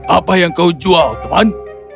apa yang kau jual teman